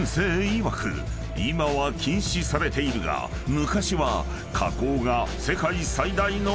いわく今は禁止されているが昔は］